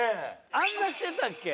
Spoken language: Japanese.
あんなしてたっけ？